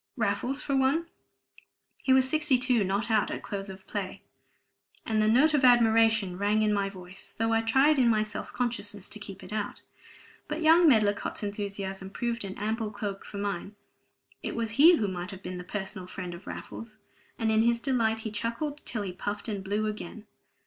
"Raffles, for one. He was 62 not out at close of play!" And the note of admiration rang in my voice, though I tried in my self consciousness to keep it out. But young Medlicott's enthusiasm proved an ample cloak for mine; it was he who might have been the personal friend of Raffles; and in his delight he chuckled till he puffed and blew again.